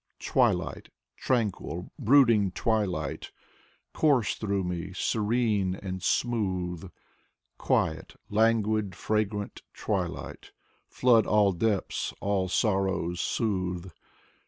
Twilight — tranquil, brooding twilight, Course through me, serene and smooth ; Quiet, languid, fragrant twilight. Flood all depths, all sorrows soothe.